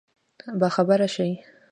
باخبره شي.